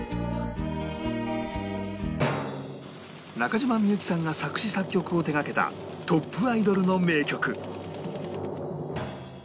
中島みゆきさんが作詞・作曲を手掛けたトップアイドルの名曲